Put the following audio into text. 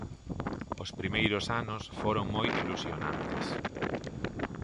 Os primeiros anos foron moi ilusionantes.